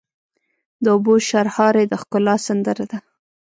د اوبو شرهاری د ښکلا سندره ده.